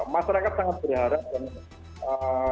masyarakat sangat berharap dan ee